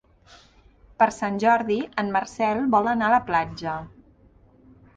Per Sant Jordi en Marcel vol anar a la platja.